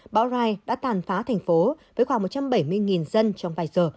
bão rai đã tàn phá thành phố với khoảng một trăm bảy mươi dân trong vài giờ